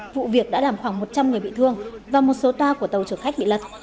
vụ việc đã làm khoảng một trăm linh người bị thương và một số toa của tàu chở khách bị lật